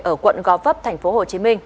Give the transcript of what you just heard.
ở quận gó vấp thành phố hồ chí minh